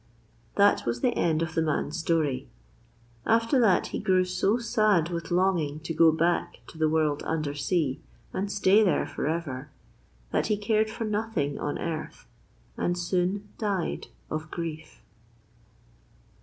That was the end of the man's story. After that he grew so sad with longing to go back to the World under Sea and stay there for ever, that he cared for nothing on earth, and soon died of grief.